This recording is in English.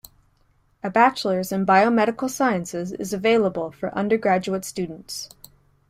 A bachelors in biomedical sciences is available for undergraduate students.